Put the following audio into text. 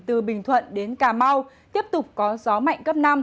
từ bình thuận đến cà mau tiếp tục có gió mạnh cấp năm